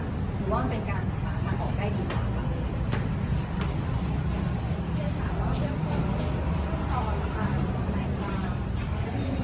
หรือว่ามันเป็นการปรับสรรค์มากออกได้ดีกว่าครับ